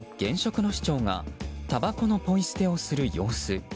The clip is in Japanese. これは現職の市長がたばこのポイ捨てをする様子。